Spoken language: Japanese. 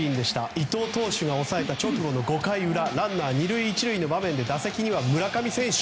伊藤投手が抑えた直後の５回裏ランナー２塁１塁の場面で打席には村上選手。